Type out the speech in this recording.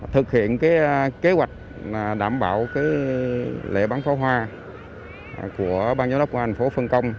thực hiện cái kế hoạch đảm bảo cái lễ bắn pháo hoa của ban giám đốc của thành phố phân công